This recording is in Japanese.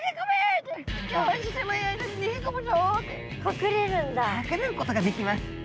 隠れることができます。